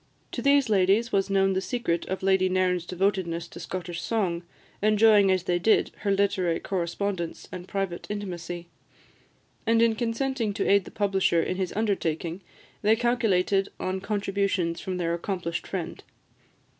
To these ladies was known the secret of Lady Nairn's devotedness to Scottish song, enjoying as they did her literary correspondence and private intimacy; and in consenting to aid the publisher in his undertaking, they calculated on contributions from their accomplished friend.